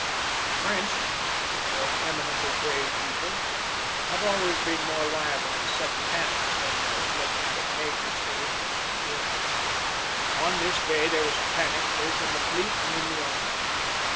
The French, though an eminently brave people, have always been more liable to sudden panics than their phlegmatic neighbours the English and Germans. On this day there was a panic both in the fleet and in the army.